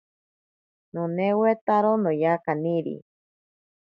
Nonewetaro noya kaniri.